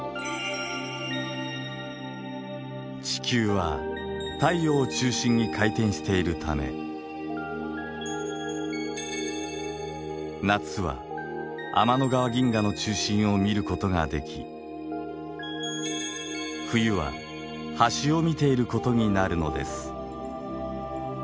地球は太陽を中心に回転しているため夏は天の川銀河の中心を見ることができ冬は端を見ていることになるのです。